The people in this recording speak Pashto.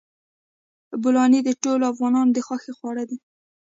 بولاني د ټولو افغانانو د خوښې خواړه دي.